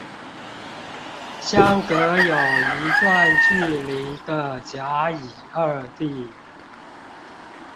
相隔有一段距離的甲乙二地